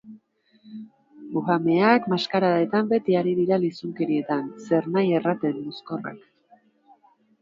Buhameak, maskaradetan, beti ari dira lizunkerietan, zernahi erraten, mozkorrak.